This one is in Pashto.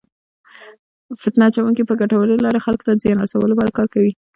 فتنه اچونکي په ګټورې لارې خلکو ته د زیان رسولو لپاره کار کوي.